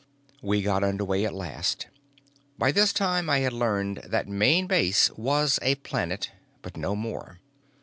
We got under way at last. By this time I had learned that Main Base was a planet, but no more.